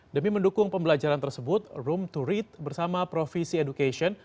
demi mendukung pembelajaran tersebut room to read bersama provisi education